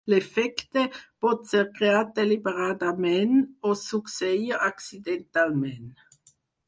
L'efecte pot ser creat deliberadament, o succeir accidentalment.